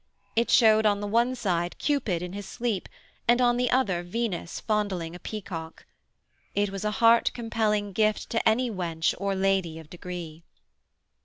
It showed on the one side Cupid in his sleep and on the other Venus fondling a peacock. It was a heart compelling gift to any wench or lady of degree.